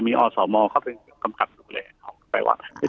มีอสมเข้าไปกำกับดูแลเขาไปวัด